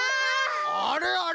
あれあれ？